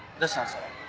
それ。